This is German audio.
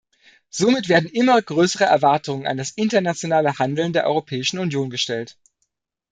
Somit werden immer größere Erwartungen an das internationale Handeln der Europäischen Union gestellt.